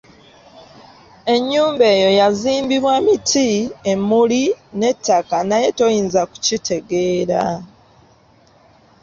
Ennyumba eyo yazimbibwa miti, emmuli n'ettaka naye toyinza kukitegeera.